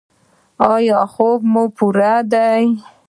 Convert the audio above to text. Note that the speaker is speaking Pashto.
ایا خوب مو پوره دی؟